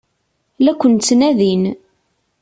La ken-ttnadin.